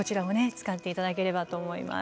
使って頂ければと思います。